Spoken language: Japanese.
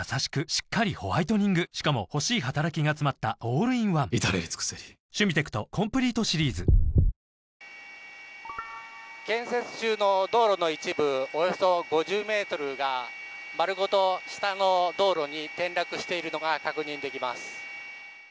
しっかりホワイトニングしかも欲しい働きがつまったオールインワン至れり尽せり建設中の道路の一部およそ５０ｍが丸ごと下の道路に転落しているのが確認できます。